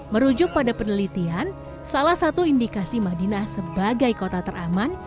merujuk pada penelitian salah satu indikasi madinah sebagai kota teraman